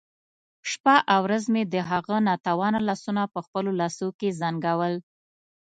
شپه او ورځ مې د هغه ناتوانه لاسونه په خپلو لاسو کې زنګول.